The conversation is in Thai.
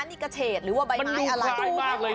นี่กระเฉดหรือว่าใบไม้อะไรมันดูขายมากเลยนะ